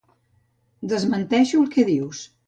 Desmenteixo el que dius.